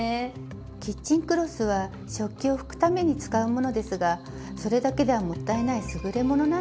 キッチンクロスは食器を拭くために使うものですがそれだけではもったいないすぐれものなんですよ。